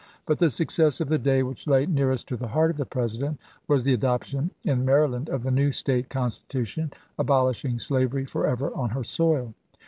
But the success of the day which lay nearest to the heart of the President was the adoption in Maryland of the new State constitution abolishing slavery forever on her soil.